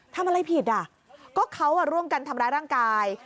ทำอะไรผิดอ่ะก็เขาร่วมกันทำร้ายร่างกาย